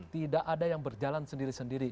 tidak ada yang berjalan sendiri sendiri